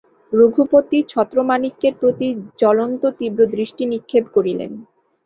রঘুপতি ছত্রমাণিক্যের প্রতি জ্বলন্ত তীব্র দৃষ্টি নিক্ষেপ করিলেন।